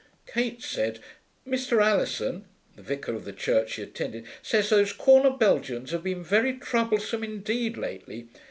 Kate said, 'Mr. Alison' (the vicar of the church she attended) 'says those corner Belgians have been very troublesome indeed lately.